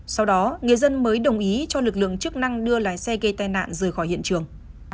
sau đó người dân mới đồng ý cho lực lượng chức năng đưa lái xe gây tai nạn rời khỏi hiện trường